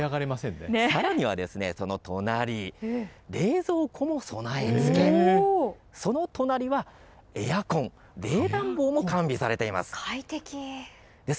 さらには、その隣、冷蔵庫も備え付け、その隣はエアコン、冷暖房も完備されているんです。